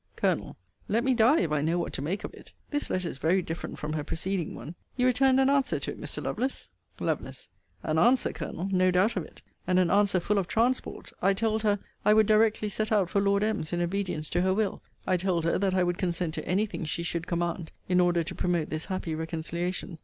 Col. Let me die if I know what to make of it. This letter is very different from her preceding one! You returned an answer to it, Mr. Lovelace? Lovel. An answer, Colonel! No doubt of it. And an answer full of transport. I told her, 'I would directly set out for Lord M.'s, in obedience to her will. I told her that I would consent to any thing she should command, in order to promote this happy reconciliation.